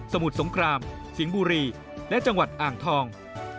มุทรสงครามสิงห์บุรีและจังหวัดอ่างทอง